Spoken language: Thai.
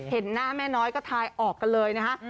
เห็นหน้าแม่น้อยก็ทายออกกันเลยนะฮะ